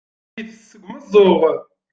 Itess seg umeẓẓuɣ.